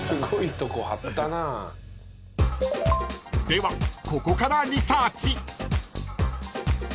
［ではここからリサーチ］